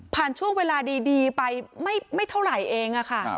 ช่วงเวลาดีไปไม่เท่าไหร่เองค่ะ